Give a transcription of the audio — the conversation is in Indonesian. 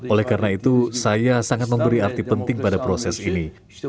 oleh karena itu saya sangat memberi arti penting pada proses ini